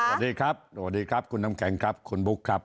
สวัสดีครับสวัสดีครับคุณน้ำแข็งครับคุณบุ๊คครับ